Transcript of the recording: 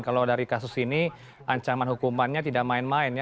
kalau dari kasus ini ancaman hukumannya tidak main main ya